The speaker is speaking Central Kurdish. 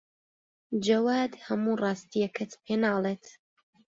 جەواد هەموو ڕاستییەکەت پێ ناڵێت.